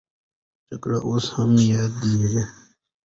جګړه اوس هم یادېږي.